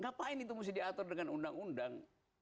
ngapain itu mesti diatur dengan undang undang